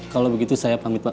kalau begitu saya pamit pak